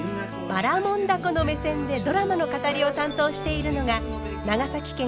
ばらもん凧の目線でドラマの語りを担当しているのがこれがね